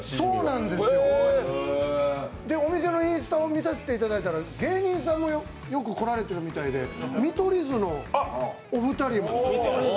お店のインスタを見させていただたら芸人さんもよく来られてるみたいで見取り図のお二人も。